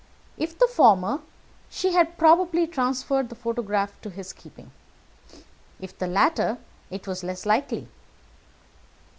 If the former, she had probably transferred the photograph to his keeping. If the latter, it was less likely.